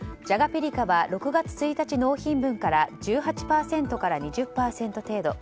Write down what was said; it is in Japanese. ピリカは６月１日納品分から１８％から２０％程度。